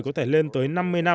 có thể lên tới năm mươi năm